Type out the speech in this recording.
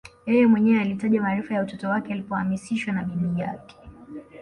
Yeye mwenyewe alitaja maarifa ya utoto wake alipohamasishwa na bibi yake